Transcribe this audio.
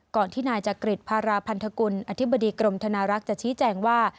ที่นายจักริตภาราพันธกุลอธิบดีกรมธนารักษ์จะชี้แจงว่า